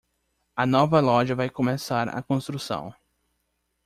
A nova loja vai começar a construção.